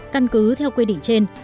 căn cứ theo quy định trên